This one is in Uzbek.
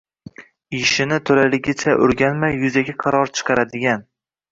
Ishini toʻlaligicha oʻrganmay yuzaki qaror chiqaradigan